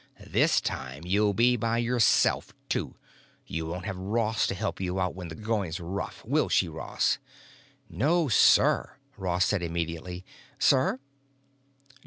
This time you'll be by yourself, too; you won't have Ross to help you out when the going's rough. Will she, Ross?" "No, sir," Ross said immediately. "Sir?"